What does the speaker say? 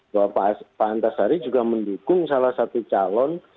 bahwa pak antasari juga mendukung salah satu calon